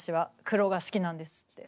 黒が好きなんですって。